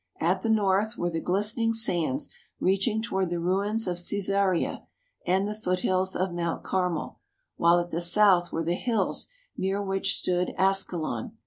At the north were the glistening sands reaching toward the ruins of Caesarea and the foothills of Mount Carmel, while at the south were the hills near which stood Askalon.